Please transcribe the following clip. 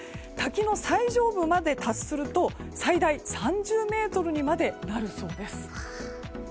滝の最上部まで達すると最大３０ｍにまでなるそうです。